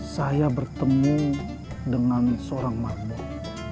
saya bertemu dengan seorang marbot